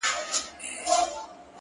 چي د پايزېب د شرنگولو کيسه ختمه نه ده!